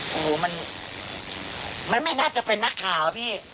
หนูมันมันไม่น่าจะเป็นนักข่าวพี่